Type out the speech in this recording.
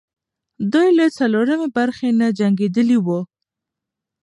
دوی له څلورمې برخې نه جنګېدلې وو.